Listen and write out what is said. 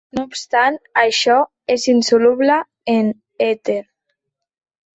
No obstant això és insoluble en èter.